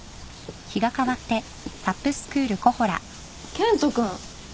健人君。